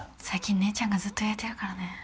最近姉ちゃんがずっと焼いてるからね。